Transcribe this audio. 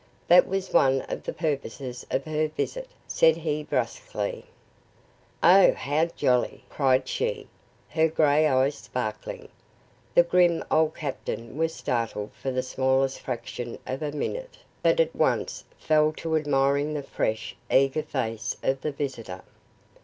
"That was one of the purposes of her visit," said he brusquely. "Oh, how jolly!" cried she, her gray eyes sparkling. The grim old captain was startled for the smallest fraction of a minute, but at once fell to admiring the fresh, eager face of the visitor.